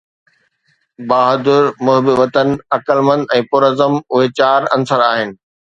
بهادر، محب وطن، عقلمند ۽ پرعزم اهي چار عنصر آهن.